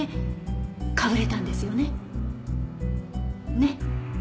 ねっ？